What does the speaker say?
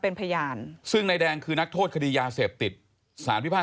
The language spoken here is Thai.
นายพิเชศที่หลบหนีไปได้เนี่ย